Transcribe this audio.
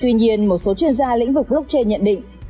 tuy nhiên một số chuyên gia lĩnh vực blockchain nhận định